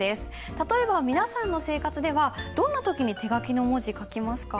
例えば皆さんの生活ではどんな時に手書きの文字書きますか？